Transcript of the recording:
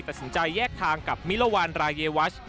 ตัดสินใจแยกทางกับมิลวานรายวัช